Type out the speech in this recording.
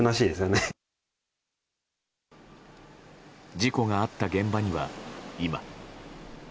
事故があった現場には今。